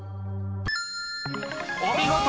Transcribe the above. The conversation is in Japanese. ［お見事！